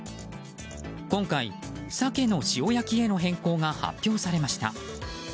今回、サケの塩焼きへの変更が発表されました。